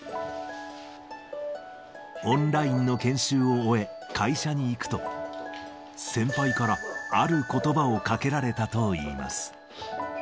オンラインの研修を終え、会社に行くと、先輩からあることばをかけられたといいます。